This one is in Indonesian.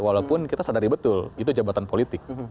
walaupun kita sadari betul itu jabatan politik